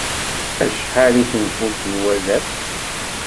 Acḥal i tenfult n wadaf?